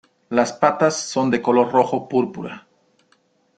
Las patas son de color rojo púrpura.